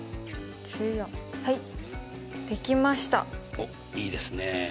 おっいいですね。